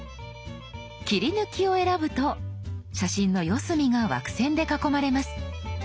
「切り抜き」を選ぶと写真の四隅が枠線で囲まれます。